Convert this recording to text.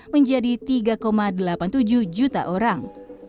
menjadi tiga delapan puluh tujuh juta orang